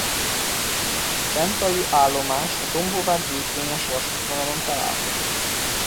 A szentai állomás a Dombóvár–Gyékényes-vasútvonalon található.